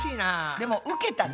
でもウケたね。